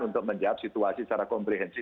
untuk menjawab situasi secara komprehensif